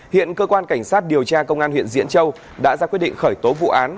hiện cơ quan cảnh sát điều tra công an huyện diễn châu đã ra quyết định khởi tố vụ án